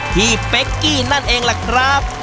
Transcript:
เป๊กกี้นั่นเองล่ะครับ